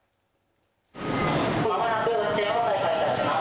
まもなく運転を再開いたします。